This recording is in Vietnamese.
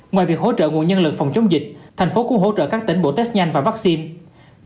ngoài việc hỗ trợ nguồn nhân lực phòng chống dịch thành phố cũng hỗ trợ các tỉnh bộ test nhanh và vaccine